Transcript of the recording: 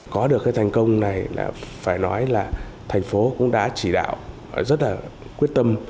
có được cái thành công này là phải nói là thành phố cũng đã chỉ đạo rất là quyết tâm